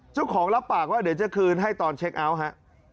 รับปากว่าเดี๋ยวจะคืนให้ตอนเช็คเอาท์ฮะ